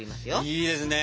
いいですね。